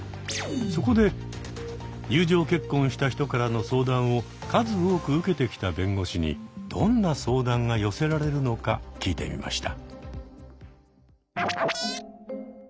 そこで友情結婚した人からの相談を数多く受けてきた弁護士にどんな相談が寄せられるのか聞いてみました。